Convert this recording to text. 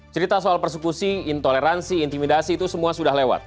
cerita soal persekusi intoleransi intimidasi itu semua sudah lewat